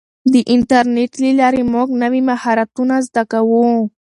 د انټرنیټ له لارې موږ نوي مهارتونه زده کوو.